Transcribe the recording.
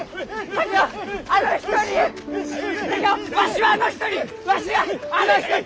竹雄わしはあの人にわしはあの人に！